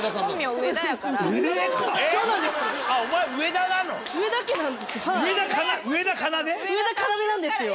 「上田かなで」なんですよ。